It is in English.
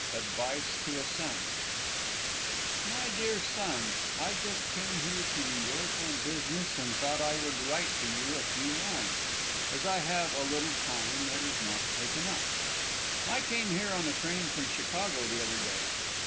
ADVICE TO A SON XXVII MY DEAR SON: I just came here to New York on business, and thought I would write to you a few lines, as I have a little time that is not taken up. I came here on a train from Chicago the other day.